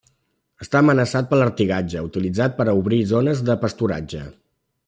Està amenaçat per l'artigatge utilitzat per a obrir zones de pasturatge.